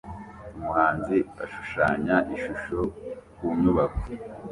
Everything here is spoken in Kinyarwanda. Umuhanzi ashushanya ishusho ku nyubako